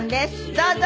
どうぞ。